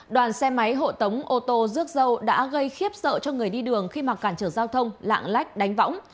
đoàn xe máy hộ tống ô tô rước dâu đã gây khiếp sợ cho người đi đường khi mà cản trở giao thông lạng lách đánh võng